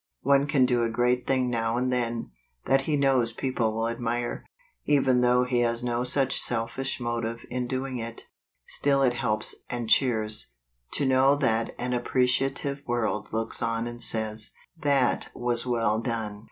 One can do a great thing now and then, that he knows people will admire, even though he has no such selfish motive in doing it, still it helps and cheers, to know that an appreciative world looks on and says :" That was well done